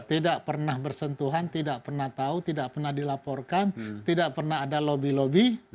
tidak pernah bersentuhan tidak pernah tahu tidak pernah dilaporkan tidak pernah ada lobby lobby